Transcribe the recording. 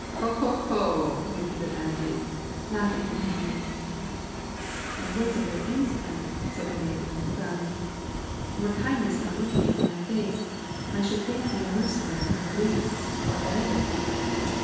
"Ho! ho! ho!" repeated Rameses, laughing continually. "Thy words are very insolent," said the maiden, frowning. "Were kindness not looking from thy face, I should think thee a mercenary from Greece or a bandit."